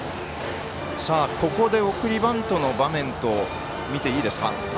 ここで、送りバントの場面とみていいですか？